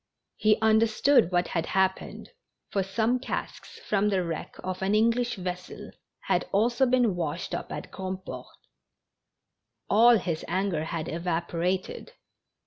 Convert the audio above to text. He understood Avhat had happened, for some casks from the wreck of an English vessel had also been washed up at Grandport. All his anger had evaporated.